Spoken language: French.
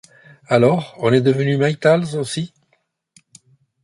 Alors on est devenus Maytals aussi.